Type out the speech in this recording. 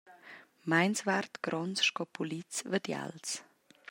Meinsvart gronds sco pulits vadials.